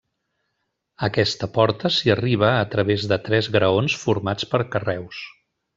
A aquesta porta s'hi arriba a través de tres graons formats per carreus.